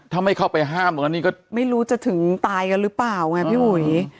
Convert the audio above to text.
ถ้าไม่เข้าไปห้ามอย่างนั้นนี่ก็ไม่รู้จะถึงตายกันหรือเปล่าไงพี่อุ๋ย